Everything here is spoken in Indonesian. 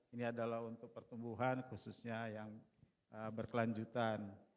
ini adalah untuk pertumbuhan khususnya yang berkelanjutan